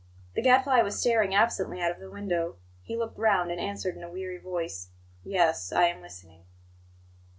The Gadfly was staring absently out of the window. He looked round and answered in a weary voice: "Yes, I am listening."